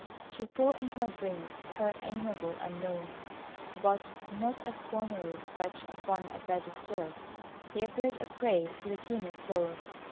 She saw in her dreams her amiable Unknown, but not as formerly. Stretched upon a bed of turf, he appeared a prey to the keenest sorrow.